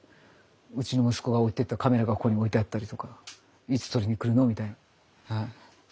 うちの息子が置いてったカメラがここに置いてあったりとかいつ取りに来るのみたいなはい。